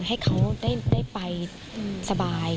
ให้เขาได้ไปสบาย